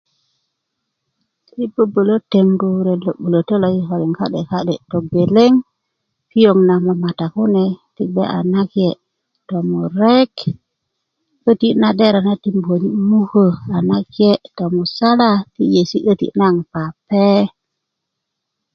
yi bubulö tengu ret lo 'bulötö yi kilo kikolin ka'de ka'de geleŋ piyoŋ na mamata kune gbwe a nake tomurek 'döti na dera na ti muköni mukö nake tomusala ti yesi 'döti naŋ pape